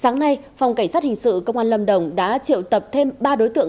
ngay phòng cảnh sát hình sự công an lâm đồng đã triệu tập thêm ba đối tượng